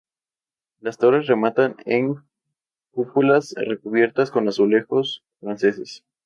Las torres rematan en cúpulas recubiertas con azulejos franceses.